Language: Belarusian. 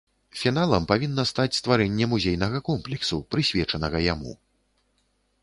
Фіналам павінна стаць стварэнне музейнага комплексу, прысвечанага яму.